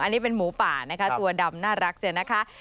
อันนี้เป็นหมูป่านะคะตัวดำน่ารักเนี่ยนะคะ